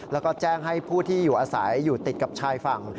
แล้วก็แจ้งให้ผู้ที่อยู่อาศัยอยู่ติดกับชายฝั่ง